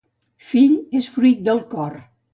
Fill és fruit del cor.